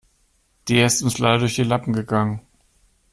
Der ist uns leider durch die Lappen gegangen.